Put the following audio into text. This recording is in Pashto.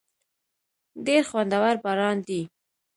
ډېر خوندور باران دی.